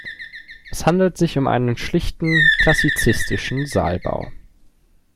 Es handelt sich um einen schlichten, klassizistischen Saalbau.